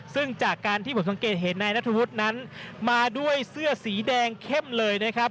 ซึ่งจากการที่ผมสังเกตเห็นนายนัทธวุฒินั้นมาด้วยเสื้อสีแดงเข้มเลยนะครับ